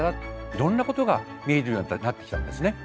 いろんなことが見えるようになってきたんですね。